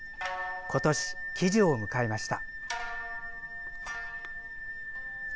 今年、喜寿を迎えました。